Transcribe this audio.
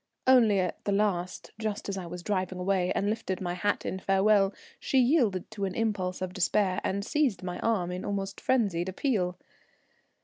Only at the last, just as I was driving away and lifted my hat in farewell, she yielded to an impulse of despair, and seized my arm in almost frenzied appeal.